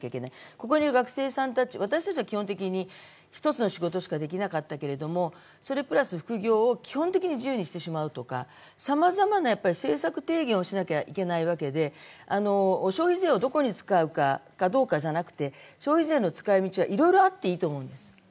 ここにいる学生さんたち、私たちは基本的に１つの仕事しかできなかったけれども、プラス副業を基本的に自由にしてしまうとかさまざまな政策提言をしなきゃいけないわけで消費税をどこに使うかじゃなくて、使いみちはいろいろあっていいと思います